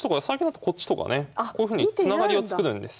こういうふうにつながりを作るんです。